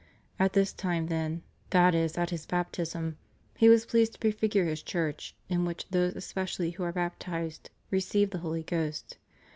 At this time, then (that is at His Baptism), He was pleased to prefigure His Church, in which those especially who are baptized receive the Holy Ghost."